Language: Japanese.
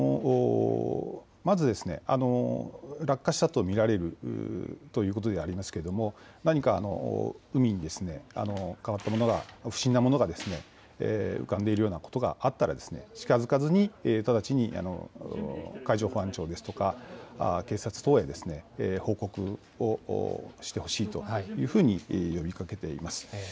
まず落下ししたと見られるということでありますけれども何か海に、変わったものが、不審なものが浮かんでいるようなことがあったら近づかずに直ちに海上保安庁ですとか警察等へ報告をしてほしいというふうに呼びかけています。